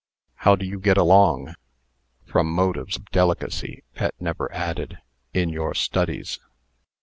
"How do you get along?" From motives of delicacy, Pet never added, "in your studies."